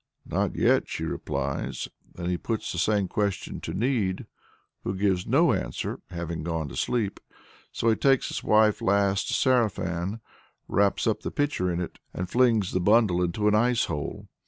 "Not yet," she replies. Then he puts the same question to Need, who gives no answer, having gone to sleep. So he takes his wife's last sarafan, wraps up the pitcher in it, and flings the bundle into an ice hole.